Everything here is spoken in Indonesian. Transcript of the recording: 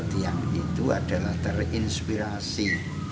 tiang itu adalah terinspirasi